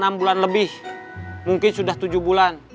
kita nggak punya solusi kita nggak punya solusi mungkin sudah tujuh bulan